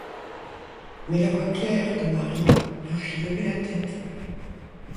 Mais la voix claire de Marie leur fit lever la tête.